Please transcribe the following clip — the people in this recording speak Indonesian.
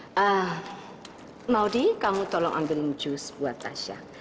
eh maudie kamu tolong ambilin jus buat tasha